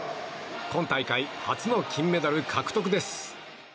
今大会初の金メダル獲得です。